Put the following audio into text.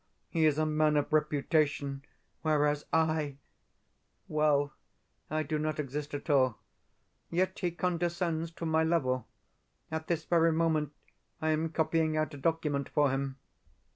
He is a man of reputation, whereas I well, I do not exist at all. Yet he condescends to my level. At this very moment I am copying out a document for him.